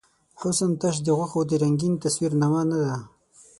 حسن تش د غوښو د رنګین تصویر نامه نۀ ده.